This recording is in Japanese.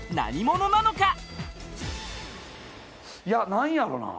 何やろな。